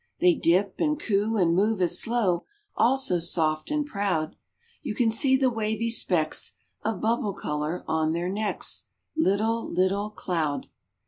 They dip, and coo, and move as slow, All so soft and proud! You can see the wavy specks Of bubble color on their necks; Little, little Cloud.